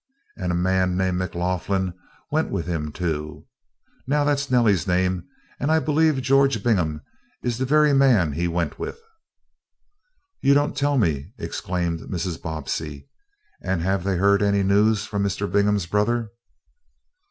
And a man named McLaughlin went with him, too. Now, that's Nellie's name, and I believe George Bingham is the very man he went with." "You don't tell me!" exclaimed Mrs. Bobbsey. "And have they heard any news from Mr. Bingham's brother?"